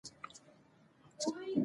ماشومان د لوبو ترڅنګ نظم هم زده کوي